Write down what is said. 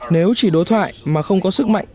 nếu chỉ đối thoại mà không có sức mạnh